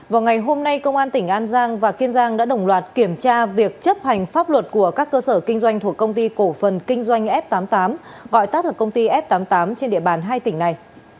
vào ngày hôm nay công an tỉnh an giang và kiên giang đã đồng loạt kiểm tra việc chấp hành pháp luật của các cơ sở kinh doanh thuộc công ty cổ phần kinh doanh f tám mươi tám gọi tắt là công ty f tám mươi tám trên địa bàn hai tỉnh này